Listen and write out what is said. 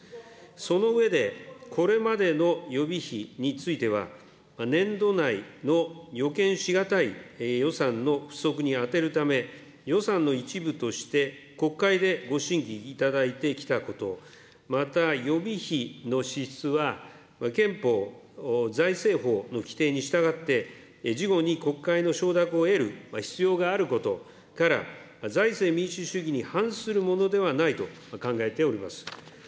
その上で、これまでの予備費については、年度内の予見し難い予算の不足に充てるため、予算の一部として国会でご審議いただいてきたこと、また予備費の支出は憲法、財政法の規定に従って、事後に国会の承諾を得る必要があることから、財政民主主義に反するものではないと考えております。